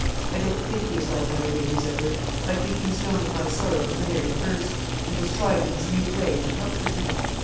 I don't think he is like other babies, Edward. I think he has known of my sorrow from the very first, and has tried in his mute way to comfort me.